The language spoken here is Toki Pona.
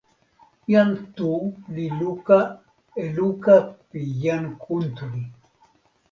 jan Tu li luka e luka pi jan Kuntuli.